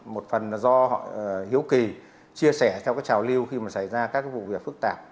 một phần do hiếu kỳ chia sẻ theo trào lưu khi xảy ra các vụ việc phức tạp